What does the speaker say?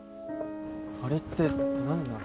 あれって何なの？